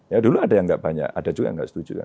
ya dulu ada yang enggak banyak ada juga yang enggak setuju